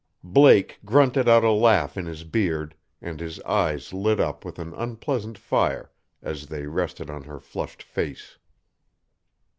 Blake grunted out a laugh in his beard and his eyes lit up with an unpleasant fire as they rested on her flushed face.